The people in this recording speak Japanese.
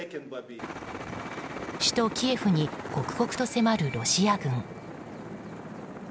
首都キエフに刻々と迫るロシア軍。